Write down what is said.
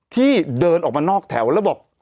ที่เดินออกมานอกแถวแล้วบอก